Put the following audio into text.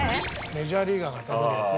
メジャーリーガーが食べるやつ？